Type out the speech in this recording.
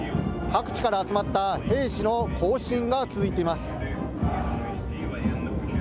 各地から集まった兵士の行進が続いています。